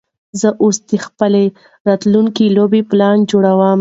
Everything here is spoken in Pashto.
زه اوس د خپلې راتلونکې لوبې پلان جوړوم.